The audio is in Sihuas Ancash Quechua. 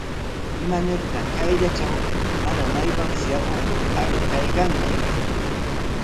¿Imanirtaq kayllatraw mana maypapis yarqukur arur kaykanki?